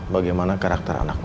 bagaimana karakter anak om